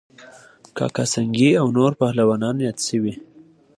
کاکه سنگی او نور پهلوانان یاد شوي